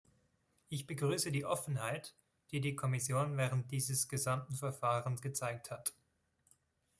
Ich begrüße die Offenheit, die die Kommission während dieses gesamten Verfahrens gezeigt hat.